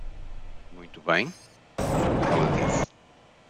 Muito bem? ela disse.